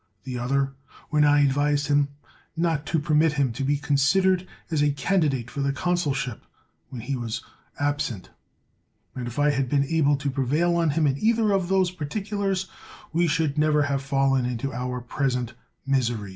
The other, when I advised him not to permit him to be considered as a candidate for the consulship when he was absent. And if I had been able to prevail on him in either of these particulars, we should never have fallen into our present miseries.